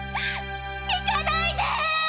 行かないでーっ！！